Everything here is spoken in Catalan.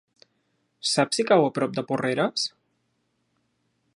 Saps si cau a prop de Porreres?